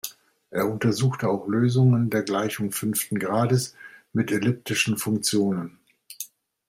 Er untersuchte auch Lösungen der Gleichung fünften Grades mit elliptischen Funktionen.